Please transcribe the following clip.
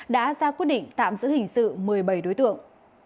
đã ra quyết định tạm giữ hình sự một mươi bảy đối tượng